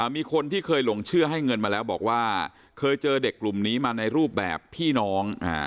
มีคนที่เคยหลงเชื่อให้เงินมาแล้วบอกว่าเคยเจอเด็กกลุ่มนี้มาในรูปแบบพี่น้อง